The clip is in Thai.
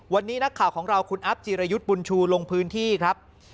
วันนี้นักข่าวของเราคุณอัพจิรยุทธ์บุญชูลงพื้นที่ครับ